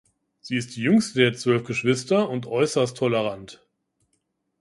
Sie ist die jüngste der zwölf Geschwister und äußerst tolerant.